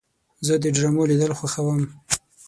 زه د ډرامو لیدل خوښوم.